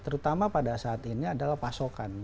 terutama pada saat ini adalah pasokan